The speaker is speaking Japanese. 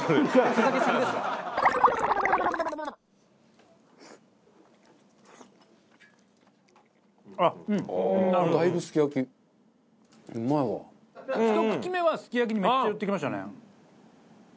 ひと口目はすき焼きにめっちゃ寄ってきましたね。